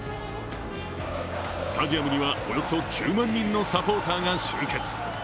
スタジアムには、およそ９万人のサポーターが集結。